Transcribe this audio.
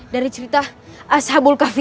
dari cerita ashabul khafi